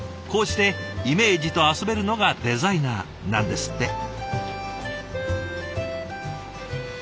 こうしてイメージと遊べるのがデザイナーなんですって。